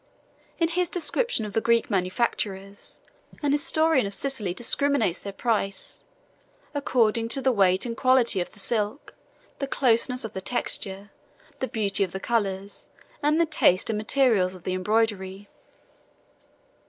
20 In his description of the Greek manufactures, an historian of Sicily discriminates their price, according to the weight and quality of the silk, the closeness of the texture, the beauty of the colors, and the taste and materials of the embroidery.